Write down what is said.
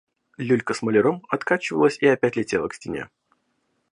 Люлька с маляром откачивалась и опять летела к стене.